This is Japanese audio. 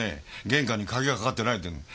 玄関にカギがかかってないっていうんだ。